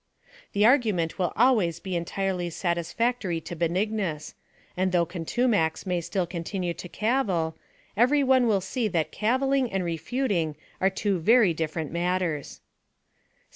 The argument will always be entirely satisfactory to Benignus ; and though Contumax may still continue to cavil, every one will see that cavilling and refuting are two very diflerent matters.